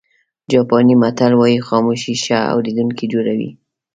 جاپاني متل وایي خاموشي ښه اورېدونکی جوړوي.